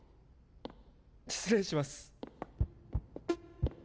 失礼します。